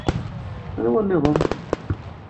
Anwa nniḍen?